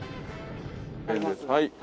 はい。